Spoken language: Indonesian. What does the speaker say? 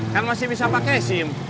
kan masih bisa pakai sim